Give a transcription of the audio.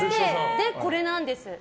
で、これなんです。